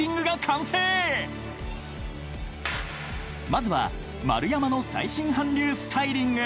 ［まずは丸山の最新韓流スタイリング］